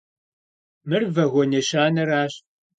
Mır vagon yêşaneraş.